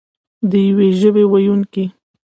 د یوې ژبې ویونکي.